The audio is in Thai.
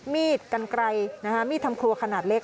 มีดกันไกลมีดทำครัวขนาดเล็ก